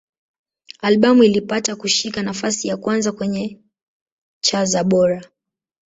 Albamu ilipata kushika nafasi ya kwanza kwenye cha za Bora.